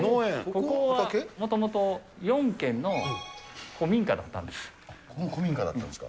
ここはもともと４軒の古民家だったんです。